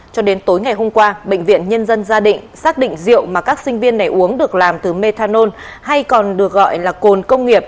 cho đến tối ngày hôm qua bệnh viện nhân dân gia định xác định rượu mà các sinh viên này uống được làm từ methanol hay còn được gọi là cồn công nghiệp